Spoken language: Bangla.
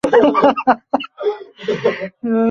জিজ্ঞাসা করলুম, কিছু সন্ধান পেলেন?